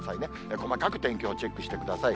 細かく天気をチェックしてください。